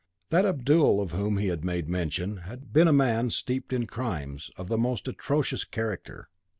That Abdul of whom he had made mention had been a man steeped in crimes of the most atrocious character.